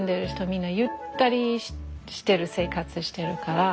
みんなゆったりしてる生活してるから。